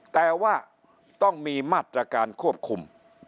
แต่ว่าต้องมีมาตรการควบคุม